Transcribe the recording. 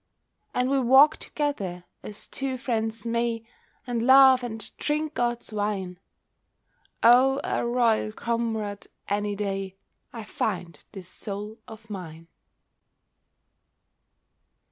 And we walk together as two friends may, And laugh and drink God's wine. Oh, a royal comrade any day I find this Soul of mine.